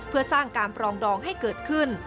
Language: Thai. เพื่อสร้างการปรองดองให้เกิดขึ้น